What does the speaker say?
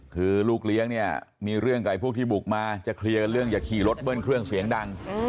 คือลูกเลี้ยงเนี่ยมีเรื่องกับพวกที่บุกมาจะเคลียร์กันเรื่องอย่าขี่รถเบิ้ลเครื่องเสียงดัง